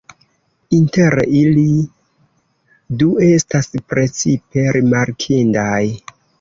Inter ili, du estas precipe rimarkindaj.